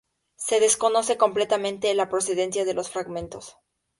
Se desconoce completamente la procedencia de los fragmentos.